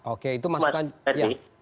oke itu masukkan ya